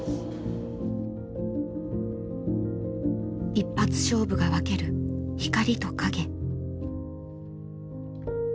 一発勝負が分ける光と陰。